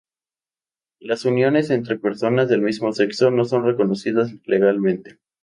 Las uniones entre personas del mismo sexo no son reconocidas legalmente.